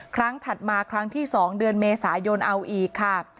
ครั้งถัดมาครั้งที่๒เดือนเมษายนทร์อาวียร์ค่ะ